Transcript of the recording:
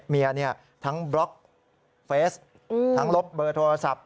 เมียทั้งบล็อกเฟสทั้งลบเบอร์โทรศัพท์